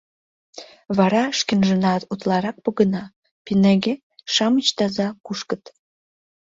Вара шкенжынат утларак погына, пинеге-шамыч таза кушкыт.